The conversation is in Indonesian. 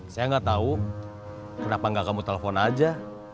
saya nggak tahu kenapa nggak kamu telpon aja